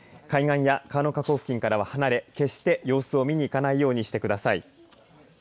海岸や川の河口付近からは離れ決して様子を見に行かないようにしてください。